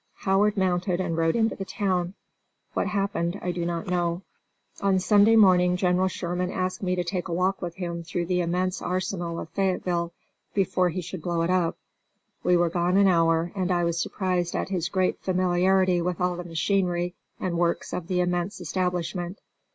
Howard mounted and rode into the town. What happened, I do not know. On Sunday morning General Sherman asked me to take a walk with him through the immense arsenal of Fayetteville before he should blow it up. We were gone an hour, and I was surprised at his great familiarity with all the machinery and works of the immense establishment.